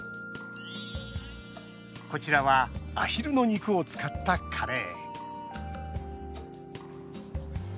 こちらはアヒルの肉を使ったカレー。